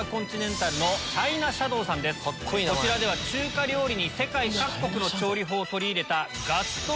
こちらでは中華料理に世界各国の調理法を取り入れた。